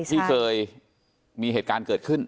ที่เคยมีเหตุการณ์เกิดขึ้น